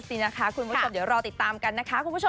จริงนะคะคุณผู้ชมเดี๋ยวรอติดตามกันนะคะคุณผู้ชม